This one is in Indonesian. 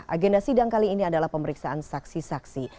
agenda sidang kali ini adalah pemeriksaan saksi saksi